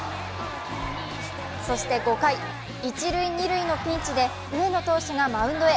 そして５回、一・二塁のピンチで上野投手がマウンドへ。